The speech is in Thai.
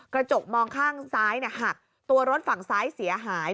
กระจกมองข้างซ้ายหักตัวรถฝั่งซ้ายเสียหาย